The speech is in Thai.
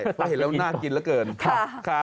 เพราะเห็นแล้วน่ากินแล้วเกินค่ะค่ะ